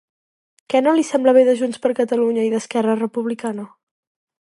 Què no li sembla bé de Junts per Catalunya i d'Esquerra Republicana?